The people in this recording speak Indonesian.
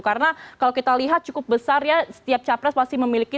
karena kalau kita lihat cukup besar ya setiap capres pasti memiliki